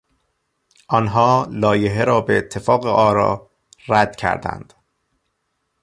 آنها لایحه را به اتفاق آرا رد کردند.